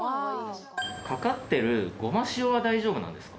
かかってるごま塩は大丈夫なんですか？